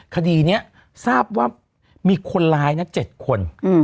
คดีนี้ทราบว่ามีคนร้ายนะ๗คน